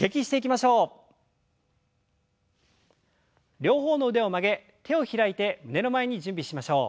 両方の腕を曲げ手を開いて胸の前に準備しましょう。